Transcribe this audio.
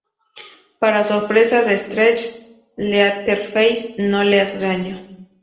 Para sorpresa de Stretch, Leatherface no le hace daño.